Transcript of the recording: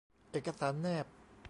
เอกสารแนบ